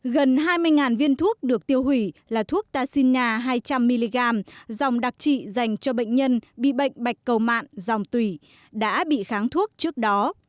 gần hai mươi viên thuốc được tiêu hủy là thuốc taxina hai trăm linh mg dòng đặc trị dành cho bệnh nhân bị bệnh bạch cầu mạng dòng tủy đã bị kháng thuốc trước đó